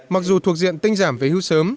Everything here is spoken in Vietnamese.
mặc dù thuộc diện tinh giảm về hưu sớm